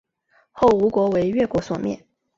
后吴国为越国所灭。